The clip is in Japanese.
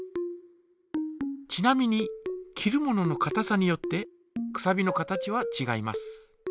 ちなみに切るもののかたさによってくさびの形はちがいます。